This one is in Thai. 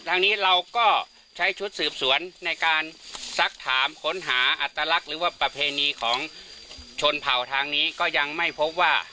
ทางนี้เราก็ใช้ชุดสืบสวนในการซักถามค้นหาอัตลักษณ์หรือว่าประเพณีของชนเผ่าทางนี้ก็ยังไม่พบว่า